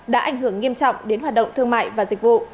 đã ảnh hưởng nghiêm trọng đến hoạt động thương mại và dịch vụ